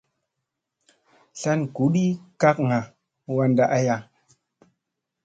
Tlan guɗi kakŋga wanda aya.